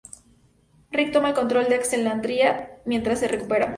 Rick toma el control de Alexandria, mientras se recuperan.